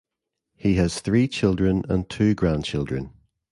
He has three children and two grandchildren.